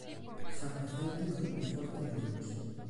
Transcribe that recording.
Farmacéutico en Monforte de Lemos.